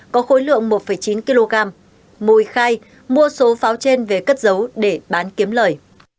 có khối lượng một chín kg mùi khai mua số pháo trên về cất giấu để bán kiếm lời